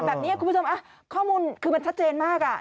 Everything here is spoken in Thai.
แบบนี้คุณผู้ชมข้อมูลคือมันชัดเจนมาก